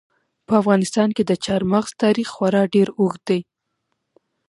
په افغانستان کې د چار مغز تاریخ خورا ډېر اوږد دی.